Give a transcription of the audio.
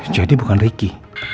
jadi bukan ricky